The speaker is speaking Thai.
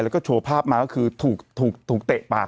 แล้วก็โชว์ภาพมาก็คือถูกเตะปาก